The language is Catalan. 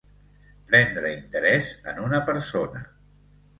Prendre interès en una persona.